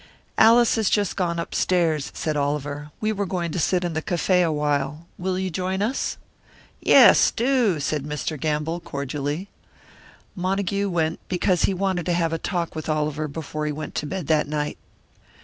"Alice has just gone upstairs," said Oliver. "We were going to sit in the cafe awhile. Will you join us?" "Yes, do," said Mr. Gamble, cordially. Montague went because he wanted to have a talk with Oliver before he went to bed that night.